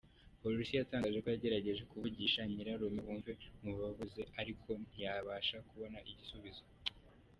Polisi yatangaje ko yagerageje kuvugisha nyirarume w’umwe mu babuze ariko ntiyabasha kubona igisubizo.